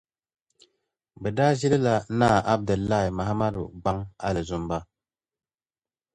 Bɛ daa ʒilila Naa Abdulai Mahamadu gbaŋ Alizumba